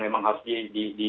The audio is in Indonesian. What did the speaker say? memang harus di di di